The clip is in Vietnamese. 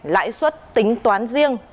lãi suất tính toán riêng